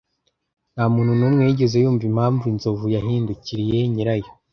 Ntamuntu numwe wigeze yumva impamvu inzovu yahindukiriye nyirayo.